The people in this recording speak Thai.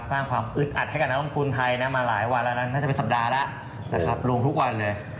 สร้างความอึดอัดให้กับนักลงทุนไทยนะมาหลายวันแล้วนะน่าจะเป็นสัปดาห์แล้วนะครับลงทุกวันเลย